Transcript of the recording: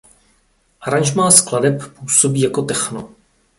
Aranžmá skladeb působí jako techno.